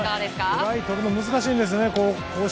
とるの難しいんですよね。